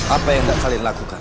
apa yang tidak kalian lakukan